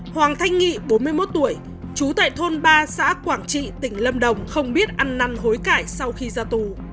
hoàng thanh nghị bốn mươi một tuổi chú tại thôn ba xã quảng trị tỉnh lâm đồng không biết ăn năn hối cải sau khi ra tù